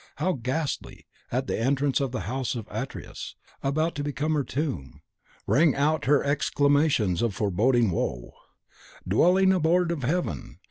How ghastly, at the entrance of the House of Atreus, about to become her tomb, rang out her exclamations of foreboding woe: "Dwelling abhorred of heaven!